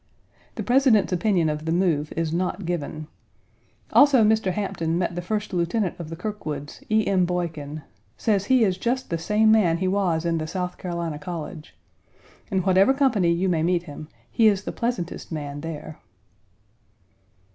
The President's opinion of the move is not given. Also Mr. Hampton met the first lieutenant of the Kirkwoods, E. M. Boykin. Says he is just the same man he was in the South Carolina College. In whatever company you may meet him, he is the pleasantest man there.